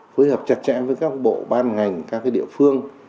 phối hợp chặt chẽ với các bộ ban ngành các địa phương